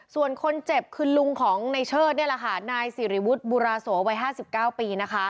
ส่วนคนเจ็บคือลุงของในเชิดนี่แหละค่ะนายสิริวุฒิบุราโสวัย๕๙ปีนะคะ